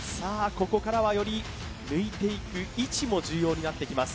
ここからはより抜いていく位置も重要になってきます